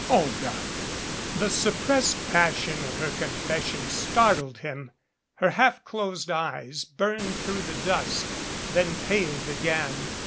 "Olga!" The suppressed passion of her confession startled r him. Her half closed eyes burned through the dusk, thenj paled again.